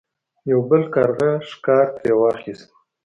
یو بل کارغه ښکار ترې واخیست.